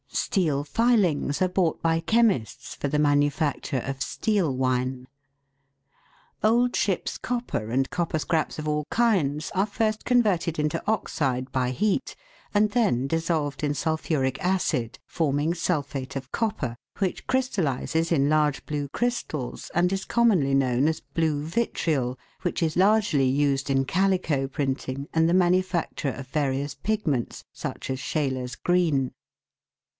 Steel filings are bought by chemists for the manufacture of steel wine. Old ship's copper and copper scraps of all kinds are first converted into oxide by heat, and then dissolved in sulphuric acid, forming sulphate of copper, which crystallises in large blue crystals, and is commonly known as blue vitriol, which is largely used in calico printing and the manufacture of various pigments, such as Scheele's green.